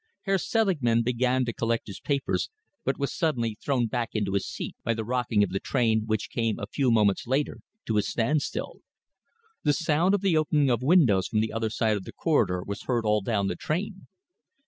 Herr Selingman began to collect his papers, but was suddenly thrown back into his seat by the rocking of the train, which came, a few moments later, to a standstill. The sound of the opening of windows from the other side of the corridor was heard all down the train.